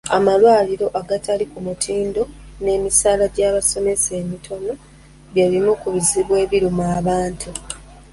Amalwaliro agatali ku mutindo n’emisaala gy’abasomesa emitono bye bimu ku bizibu ebiruma abantu.